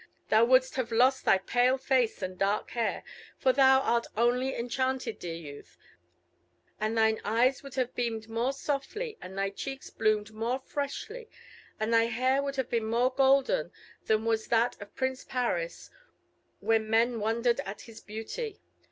Thou wouldst have lost thy pale face and dark hair, for thou art only enchanted, dear youth, and thine eyes would have beamed more softly, and thy cheeks bloomed more freshly, and thy hair would have been more golden than was that of Prince Paris when men wondered at his beauty.